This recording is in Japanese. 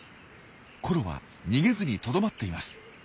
コロは逃げずにとどまっています。